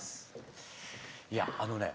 いやあのね